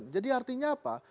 jadi artinya apa